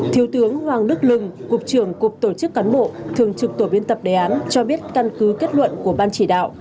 thiếu tướng hoàng đức lừng cục trưởng cục tổ chức cán bộ thường trực tổ biên tập đề án cho biết căn cứ kết luận của ban chỉ đạo